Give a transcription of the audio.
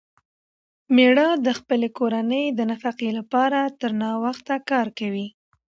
مېړه د خپلې کورنۍ د نفقې لپاره تر ناوخته کار کوي.